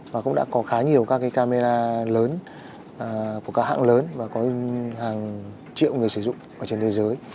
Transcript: và cũng đã có khá nhiều camera lớn của các hãng lớn và có hàng triệu người sử dụng trên thế giới